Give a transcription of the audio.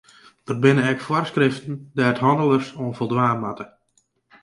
Der binne ek foarskriften dêr't hannelers oan foldwaan moatte.